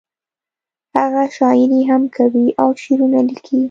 هغه شاعري هم کوي او شعرونه ليکي